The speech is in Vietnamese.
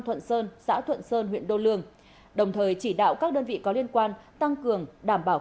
thuận sơn xã thuận sơn huyện đô lương đồng thời chỉ đạo các đơn vị có liên quan tăng cường đảm bảo